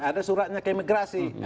ada suratnya kayak begini ya